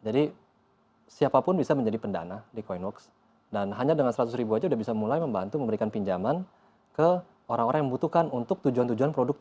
jadi siapapun bisa menjadi pendana di coinworks dan hanya dengan seratus ribu saja sudah bisa mulai membantu memberikan pinjaman ke orang orang yang membutuhkan untuk tujuan tujuan produktif